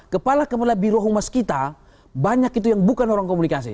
kepala kepala birohumas kita banyak itu yang bukan orang komunikasi